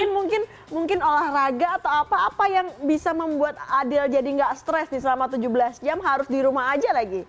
mungkin olahraga atau apa apa yang bisa membuat adil jadi nggak stres nih selama tujuh belas jam harus di rumah aja lagi